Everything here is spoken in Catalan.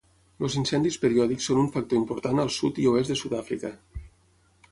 Els incendis periòdics són un factor important al sud i oest de Sud-àfrica.